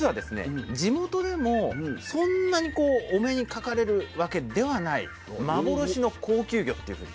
地元でもそんなにお目にかかれるわけではない幻の高級魚っていうふうに。